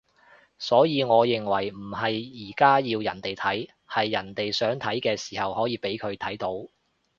所以我認為唔係而家要人哋睇，係人哋想睇嘅時候可以畀佢睇到